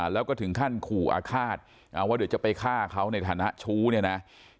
แล้วก็ถึงขั้นขู่อาฆาตว่าเดี๋ยวจะไปฆ่าเขาในฐานะชู้เนี่ยนะ